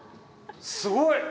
すごい！